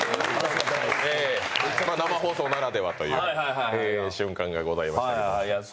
生放送ならではという瞬間がございましたけれども。